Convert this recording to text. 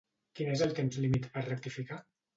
Quin és el temps límit per rectificar?